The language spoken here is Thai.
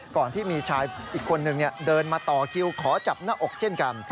ก่อนที่มีชายอีกคนนึงเดินมาต่อคิวขอจับหน้าอกเช่นกัน